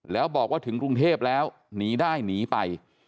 แล้วบอกว่าถึงกรุงเทพแล้วหนีได้หนีไป